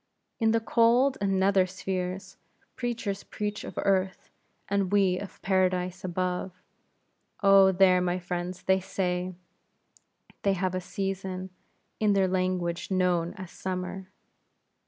In the cold and nether spheres, preachers preach of earth, as we of Paradise above. Oh, there, my friends, they say, they have a season, in their language known as summer.